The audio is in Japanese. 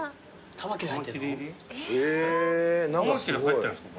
カマキリ入ってんすか？